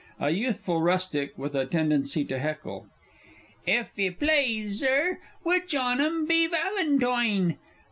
(A Youthful Rustic, with a tendency to heckle. "Ef 'ee plaze, Zur, which on 'em be Valentoine?")